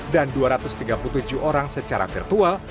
dan dua ratus tiga puluh tujuh orang secara virtual